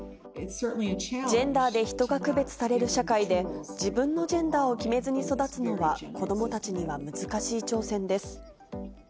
ジェンダーで人が区別される社会で、自分のジェンダーを決めずに育つのは、子どもたちには難しい挑戦